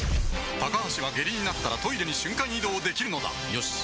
高橋は下痢になったらトイレに瞬間移動できるのだよし。